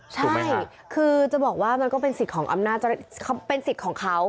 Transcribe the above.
ใช่คือจะบอกว่ามันก็เป็นสิทธิ์ของอำนาจเป็นสิทธิ์ของเขา